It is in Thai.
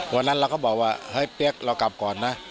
วันนั้นเราก็บอกว่าเฮ้ยเปี๊ยกเรากลับก่อนนะ